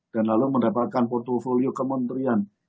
dan lalu mendapatkan portfolio kementerian